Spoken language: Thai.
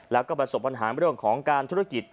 แล้วก็ประสบปัญหาเรื่องของการธุรกิจ